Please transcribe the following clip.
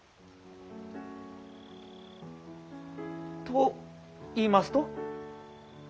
と言いますと？